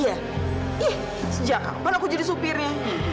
iya ih sejak kapan aku jadi supirnya